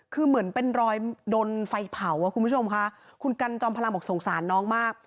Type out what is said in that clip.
คือเหมือนเป็นรอยโดนไฟเผาอ่ะคุณผู้ชมค่ะคุณกันจอมพลังบอกสงสารน้องมาก